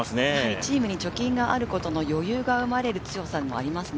チームに貯金があることの余裕が生まれる強さもありますね。